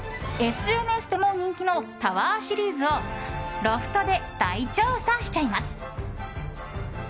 ＳＮＳでも人気のｔｏｗｅｒシリーズをロフトで大調査しちゃいます。